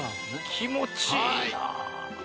気持ちいいなあ